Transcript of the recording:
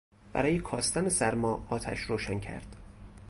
برای کاستن سرما آتش روشن کرد.